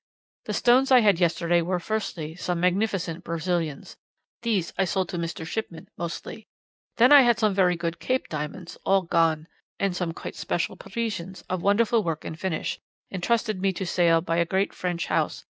"'The stones I had yesterday were, firstly, some magnificent Brazilians; these I sold to Mr. Shipman mostly. Then I had some very good Cape diamonds all gone; and some quite special Parisians, of wonderful work and finish, entrusted to me for sale by a great French house.